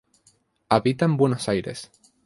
Habita en Buenos Aires.